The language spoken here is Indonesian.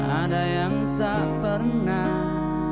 ada yang tak pernah